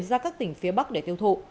ra các tỉnh phía bắc để tiêu thụ